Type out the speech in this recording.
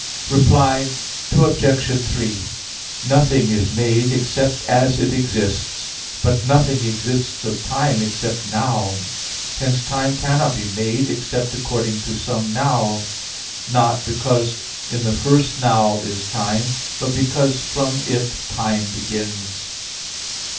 Reply Obj. 3: Nothing is made except as it exists. But nothing exists of time except "now." Hence time cannot be made except according to some "now"; not because in the first "now" is time, but because from it time begins.